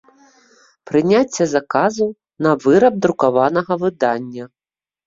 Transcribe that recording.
Прыняцце заказу на выраб друкаванага выдання